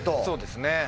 そうですね。